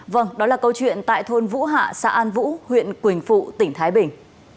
vâng đó là câu chuyện tại thôn vũ hạ xã an vũ huyện quỳnh phụ tỉnh thái bình